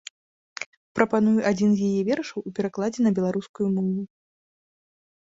Прапаную адзін з яе вершаў у перакладзе на беларускую мову.